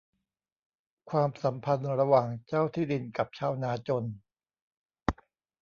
ความสัมพันธ์ระหว่างเจ้าที่ดินกับชาวนาจน